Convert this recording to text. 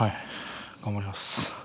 頑張ります。